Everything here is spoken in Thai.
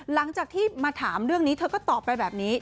หลังจากที่มาถามเรื่องนี้เธอก็ตอบไปแบบนี้